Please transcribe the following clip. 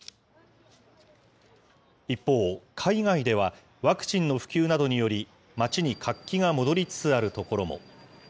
一方、海外ではワクチンの普及などにより、街に活気が戻りつつある所も。